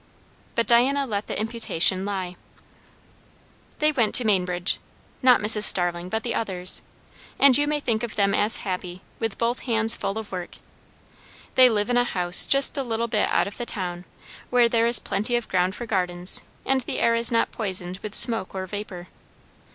But Diana let the imputation lie. They went to Mainbridge. Not Mrs. Starling, but the others. And you may think of them as happy, with both hands full of work. They live in a house just a little bit out of the town, where there is plenty of ground for gardens, and the air is not poisoned with smoke or vapour.